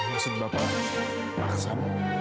maksud bapak pak aksan